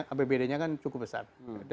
apbd nya kan cukup besar